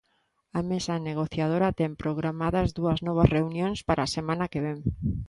A mesa negociadora ten programadas dúas novas reunións para a semana que vén.